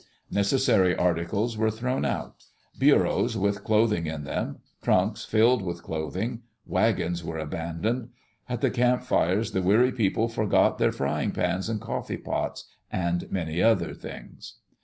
Necessary articles were thrown out: bureaus, with clothing in them; trunks, filled with clothing; wagons were aban doned. At the campfires the weary people forgot their frying pans and coffee pots and many other things.